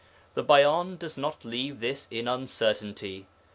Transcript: The Bayan does not leave this in uncertainty.